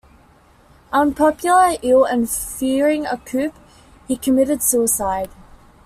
Unpopular, ill and fearing a coup, he committed suicide.